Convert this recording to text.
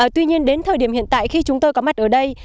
tuy nhiên đến thời điểm hiện tại khi chúng tôi có mặt ở đây